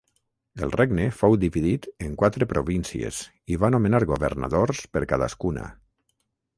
El regne fou dividit en quatre províncies i va nomenar governadors per cadascuna.